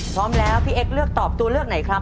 พร้อมแล้วพี่เอ็กซเลือกตอบตัวเลือกไหนครับ